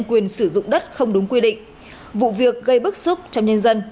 quyền sử dụng đất không đúng quy định vụ việc gây bức xúc trong nhân dân